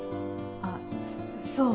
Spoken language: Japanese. あっそう。